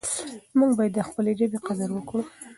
موږ باید د خپلې ژبې قدر وکړو.